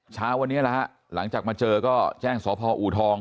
เช้าวันนี้นะฮะหลังจากมาเจอก็แจ้งสพอูทอง